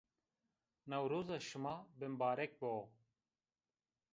Newroza şima bimbarek bo!